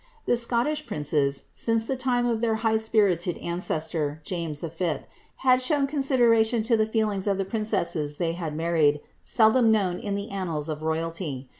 The Scottish princes, since the time of their high spirited ancestor, James V., had shown consideration to the feelings of the princesses they had married, seldom known in the annals of royalty.'